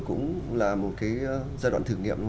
cũng là một cái giai đoạn thử nghiệm